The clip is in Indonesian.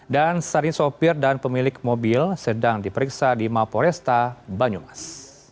dan sari sopir dan pemilik mobil sedang diperiksa di maporesta manjumas